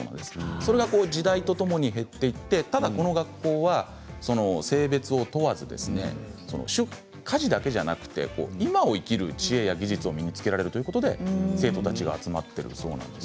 それが時代とともに減っていってただこの学校は性別を問わず家事だけじゃなく今を生きる知恵や技術を身につけられるということで生徒たちが集まっているそうなんです。